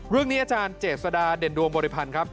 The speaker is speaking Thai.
เรื่องนี้อาจารย์เจษฎาเด่นดวงบริพันธ์ครับ